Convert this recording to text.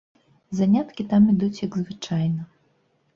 Заняткі там ідуць як звычайна.